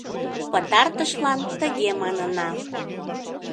Пытартышлан тыге манына: